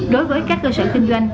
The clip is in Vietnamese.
đối với các cơ sở kinh doanh